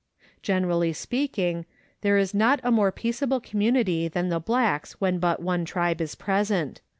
97 Generally speaking, there is not a more peaceable community than the blacks when but one tribe is present.